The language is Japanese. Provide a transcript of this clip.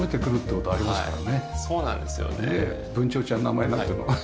文鳥ちゃん名前なんていうの？